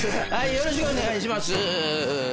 よろしくお願いします。